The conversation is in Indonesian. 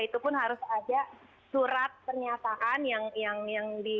itu pun harus ada surat pernyataan yang ditandatangani sama polisi